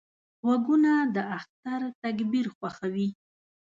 غوږونه د اختر تکبیر خوښوي